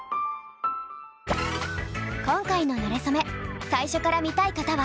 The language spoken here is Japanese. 今回の「なれそめ」最初から見たい方は！